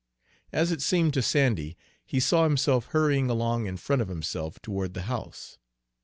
As it seemed to Sandy, he saw himself hurrying along in front of himself toward the house.